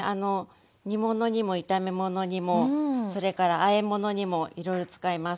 煮物にも炒め物にもそれからあえ物にもいろいろ使います。